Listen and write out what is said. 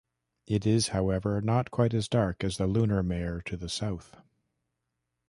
It is, however, not quite as dark as the lunar mare to the south.